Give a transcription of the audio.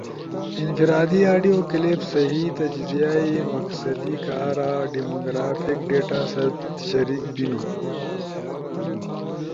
انفرادی آڈیو کلپس صحیح تجزیہ ئی مقصدی کارا ڈیمو گرافک ڈیٹا ست شریک بینو۔